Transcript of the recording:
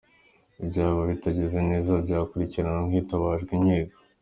Ibyaba bitagenze neza byakurikiranwa hitabajwe inkiko.